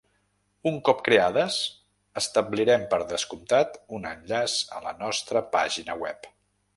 Un cop creades establirem, per descomptat, un enllaç a la nostra pàgina web.